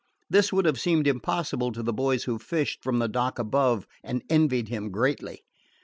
This would have seemed impossible to the boys who fished from the dock above and envied him greatly.